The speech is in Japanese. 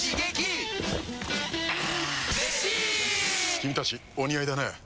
君たちお似合いだね。